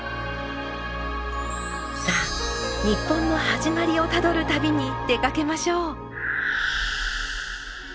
さあ日本の始まりをたどる旅に出かけましょう。